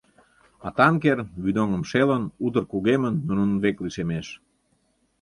А танкер, вӱдоҥым шелын, утыр кугемын, нунын век лишемеш.